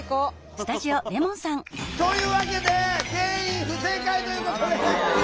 というわけで全員不正解ということで。